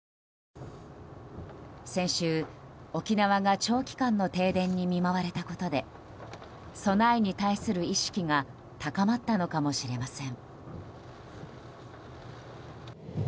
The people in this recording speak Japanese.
先週、沖縄が長期間の停電に見舞われたことで備えに対する意識が高まったのかもしれません。